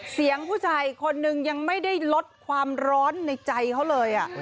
เสียงผู้ชายคนนึงยังไม่ได้ลดความร้อนในใจเขาเลย